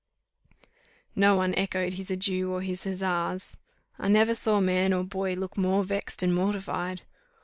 _" No one echoed his adieu or his huzzas. I never saw man or boy look more vexed and mortified.